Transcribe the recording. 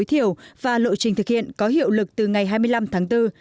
tối thiểu và lộ trình thực hiện có hiệu lực từ ngày hai mươi năm tháng bốn